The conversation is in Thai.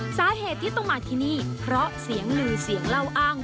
สาเหตุที่ต้องมาที่นี่เพราะเสียงลือเสียงเล่าอ้าง